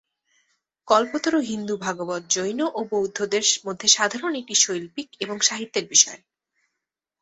কল্পতরু হিন্দু ভাগবত, জৈন ও বৌদ্ধদের মধ্যে সাধারণ একটি শৈল্পিক এবং সাহিত্যের বিষয়।